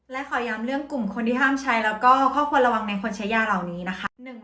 และขอย้ำเรื่องกลุ่มคนที่ห้ามใช้แล้วก็ครอบครัวระวังในคนใช้ยาเหล่านี้นะคะ